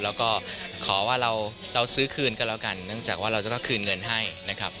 แล้วก็ขอว่าเราซื้อคืนก็แล้วกันเนื่องจากว่าเราจะต้องคืนเงินให้นะครับ